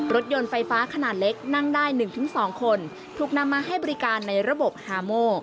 รถยนต์ไฟฟ้าขนาดเล็กนั่งได้๑๒คนถูกนำมาให้บริการในระบบฮาโม